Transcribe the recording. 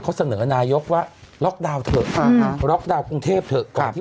เดี๋ยวเลือดโฟร์ไม่ดี